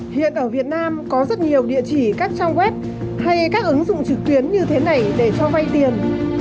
hiện ở việt nam có rất nhiều địa chỉ các trang web hay các ứng dụng trực tuyến như thế này để cho vay tiền